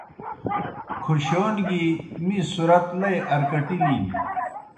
کھوشِیون گیْ می صُرَت لئی ارکَٹِلِن۔